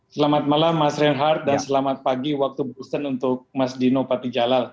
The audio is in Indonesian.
selamat malam mas reinhardt dan selamat pagi waktu boston untuk mas dino patijalal